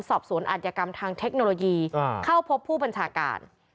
สอบสวนอัธยกรรมทางเทคโนโลยีเข้าพบผู้บัญชาการ